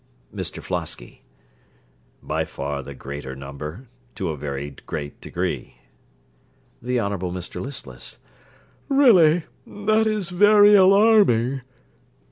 MR FLOSKY By far the greater number, to a very great degree. THE HONOURABLE MR LISTLESS Really, that is very alarming!